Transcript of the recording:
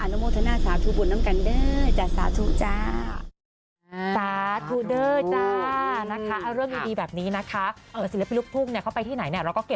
นุโมทนาสาธุบุญน้ำกันเด้อจ้ะสาธุจ้า